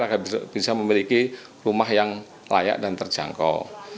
agar bisa memiliki rumah yang layak dan terjangkau